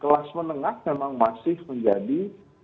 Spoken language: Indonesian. kelas menengah memang masih menjadi